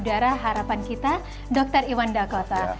dr iwan dakota